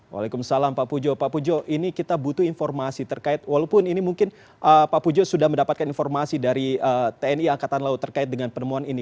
waalaikumsalam pak pujo pak pujo ini kita butuh informasi terkait walaupun ini mungkin pak pujo sudah mendapatkan informasi dari tni angkatan laut terkait dengan penemuan ini